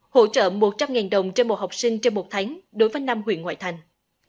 hỗ trợ một trăm linh đồng cho một học sinh trong một tháng đối với năm huyện ngoại thành